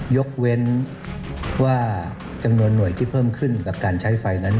ยกเว้นว่าจำนวนหน่วยที่เพิ่มขึ้นกับการใช้ไฟนั้น